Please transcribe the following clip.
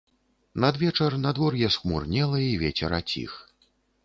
Надвечар надвор'е схмурнела і вецер аціх.